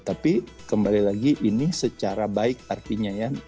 tapi kembali lagi ini secara baik artinya ya